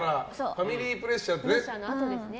ファミリープレッシャーってね。